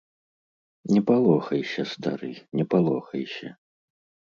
Не палохайся, стары, не палохайся.